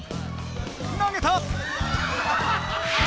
投げた！